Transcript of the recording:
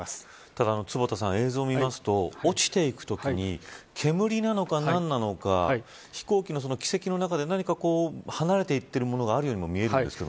ただ、映像を見ますと落ちていくときに煙なのか何なのか飛行機の軌跡の中で離れていっているものがあるようにも見えますが。